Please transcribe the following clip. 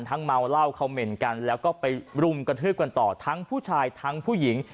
เมาเหล้าคอมเมนต์กันแล้วก็ไปรุมกระทืบกันต่อทั้งผู้ชายทั้งผู้หญิง